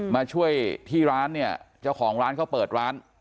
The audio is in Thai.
มาช่วยที่ร้านเนี่ยเจ้าของร้านเขาเปิดร้าน